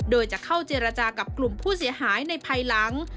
โดยจะเข้าเจรจากับกลุ่มผู้เสียหายในภายหลัง